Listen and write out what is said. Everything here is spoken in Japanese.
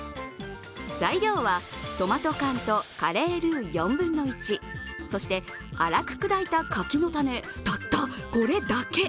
材料は、トマト缶とカレールー４分の１そして粗く砕いた柿の種、たったこれだけ。